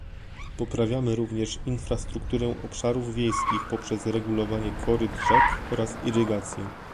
Poprawiamy również infrastrukturę obszarów wiejskich poprzez regulowanie koryt rzek oraz irygację